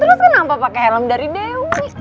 terus kenapa pake helm dari dewis